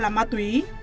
là ma túy